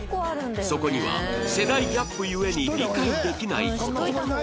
そこには世代ギャップゆえに理解できない事も